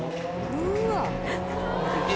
うわ。